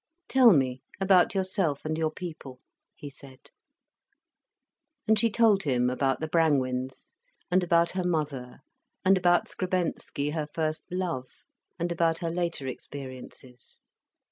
"Tell me about yourself and your people," he said. And she told him about the Brangwens, and about her mother, and about Skrebensky, her first love, and about her later experiences.